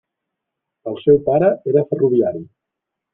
El seu pare era ferroviari.